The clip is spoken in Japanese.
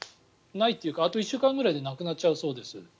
ないというかあと１週間ぐらいでなくなるそうです。